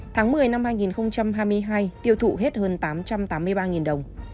tháng một mươi năm hai nghìn hai mươi hai tiêu thụ hết hơn tám trăm tám mươi ba đồng